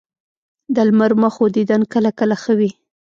د لمر مخو دیدن کله کله ښه وي